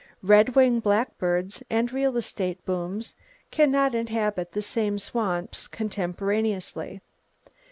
Red winged blackbirds and real estate booms can not inhabit the same swamps contemporaneously.